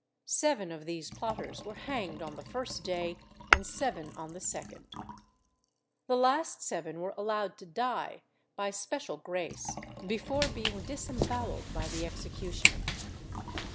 Seven of these plotters were hanged on the first day, and seven on the second. The last seven were allowed to die, by special grace, before being disembowelled by the executioner.